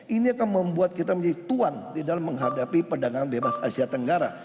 ini akan membuat kita menjadi tuan di dalam menghadapi perdagangan bebas asia tenggara